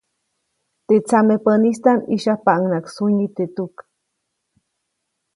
Teʼ tsamepäʼnistaʼm ʼyisyajpaʼuŋnaʼak sunyi teʼ tuk.